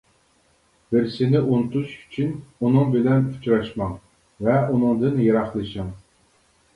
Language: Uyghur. بىرسىنى ئۇنتۇش ئۈچۈن ئۇنىڭ بىلەن ئۇچراشماڭ ۋە ئۇنىڭدىن يىراقلىشىڭ.